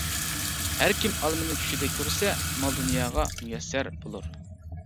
ھەركىم ئالمىنى چۈشىدە كۆرسە، مال-دۇنياغا مۇيەسسەر بولۇر.